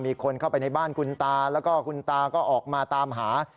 มีคนเข้าไปในบ้านคุณตาแล้วก็คุณตาก็ออกมาตามหา